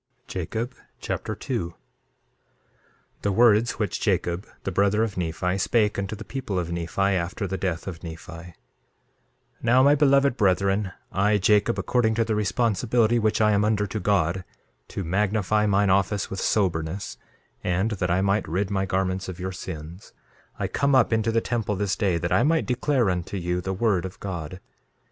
Jacob Chapter 2 2:1 The words which Jacob, the brother of Nephi, spake unto the people of Nephi, after the death of Nephi: 2:2 Now, my beloved brethren, I, Jacob, according to the responsibility which I am under to God, to magnify mine office with soberness, and that I might rid my garments of your sins, I come up into the temple this day that I might declare unto you the word of God.